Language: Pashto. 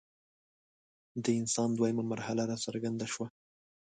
د انسان دویمه مرحله راڅرګنده شوه.